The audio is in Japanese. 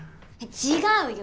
違うよ！